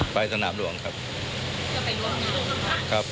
ไปสนามรวงครับ